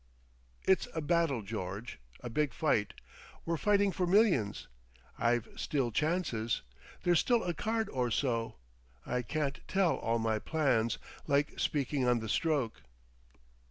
"It's a battle, George—a big fight. We're fighting for millions. I've still chances. There's still a card or so. I can't tell all my plans—like speaking on the stroke."